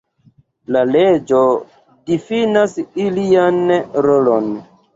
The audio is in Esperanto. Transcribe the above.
La leĝo difinas ilian rolon.